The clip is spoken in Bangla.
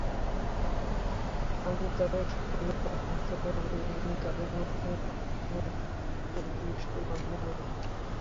আমি তাদের সকলকেই পথভ্রষ্ট করব, তবে তাদের মধ্যে আপনার একনিষ্ঠ বান্দাদের নয়।